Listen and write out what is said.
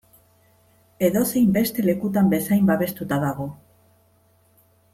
Edozein beste lekutan bezain babestuta dago.